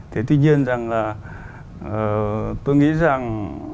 thì tuy nhiên rằng là tôi nghĩ rằng